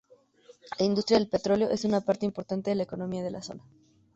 La industria del petróleo es una parte importante de la economía de la zona.